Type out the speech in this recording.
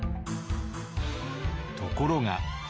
ところが。